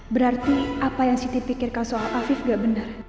berarti apa yang siti pikirkan soal afif gak benar